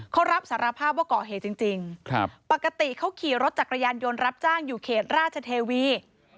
เขารับสารภาพว่าก่อเหตุจริงปกติเขาขี่รถจักรยานยนต์รับจ้างอยู่เขตราชเทวี